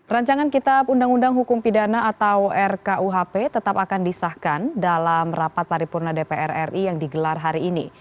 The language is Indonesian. rancangan kitab undang undang hukum pidana atau rkuhp tetap akan disahkan dalam rapat paripurna dpr ri yang digelar hari ini